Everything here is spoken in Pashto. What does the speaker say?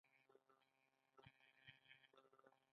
تککیه په خدای وکړئ